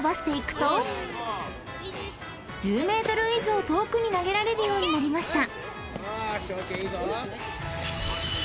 ［１０ｍ以上遠くに投げられるようになりました］